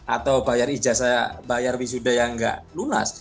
atau bayar ijazah bayar wisuda yang nggak lunas